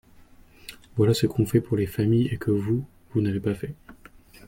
Voilà ce qu’on fait pour les familles et que vous, vous n’avez pas fait.